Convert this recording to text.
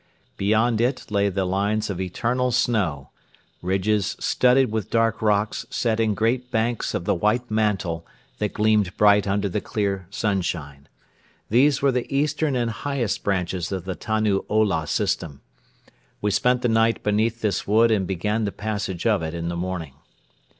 Beyond it lay the lines of eternal snow ridges studded with dark rocks set in great banks of the white mantle that gleamed bright under the clear sunshine. These were the eastern and highest branches of the Tannu Ola system. We spent the night beneath this wood and began the passage of it in the morning.